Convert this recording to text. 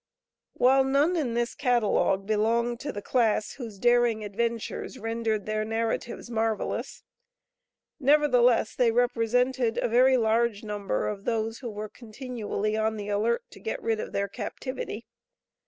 While none in this catalogue belonged to the class whose daring adventures rendered their narratives marvellous, nevertheless they represented a very large number of those who were continually on the alert to get rid of their captivity.